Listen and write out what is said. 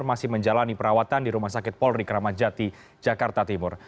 masih menjalani perawatan di rumah sakit polri kramat jati jakarta timur